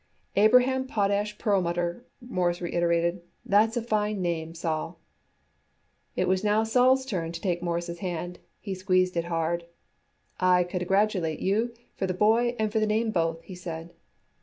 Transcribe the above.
"Abraham Potash Perlmutter," Morris reiterated. "That's one fine name, Sol." It was now Sol's turn to take Morris' hand and he squeezed it hard. "I congradulate you for the boy and for the name both," he said.